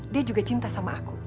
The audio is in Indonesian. dia juga cinta sama aku